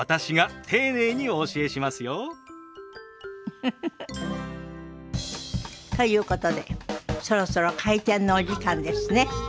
ウフフフ。ということでそろそろ開店のお時間ですね。